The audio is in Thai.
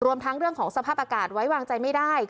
รวมทั้งเรื่องของสภาพอากาศไว้วางใจไม่ได้